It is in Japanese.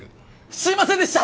すいませんでした！